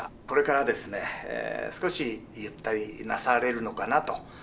これから少しゆったりなされるのかなと。